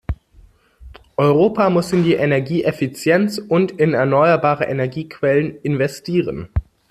Europa muss in die Energieeffizienz und in erneuerbare Energiequellen investieren.